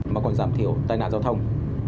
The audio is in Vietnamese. mà còn giảm thiểu tai nạn giao thông